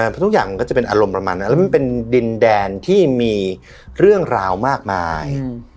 เพราะทุกอย่างมันก็จะเป็นอารมณ์ประมาณนั้นแล้วมันเป็นดินแดนที่มีเรื่องราวมากมาย